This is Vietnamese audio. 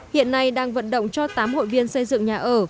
hiện nay đang vận động cho tám hội viên xây dựng nhà ở